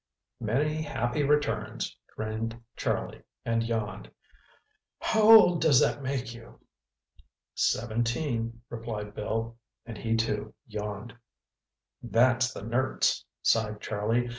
"Many happy returns," grinned Charlie, and yawned. "How old does that make you?" "Seventeen," replied Bill, and he too, yawned. "That's the nerts," sighed Charlie.